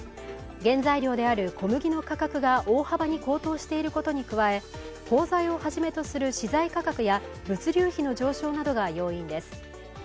原材料である小麦の価格が大幅に高騰していることに加え包材をはじめとする資材価格や物流費の上昇などが要因です。